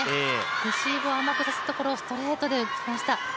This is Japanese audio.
レシーブを甘くさせたところをストレートでいきました。